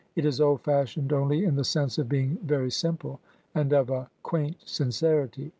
It is old fashioned only in the sense of being very simple, and of a quaint sincerity.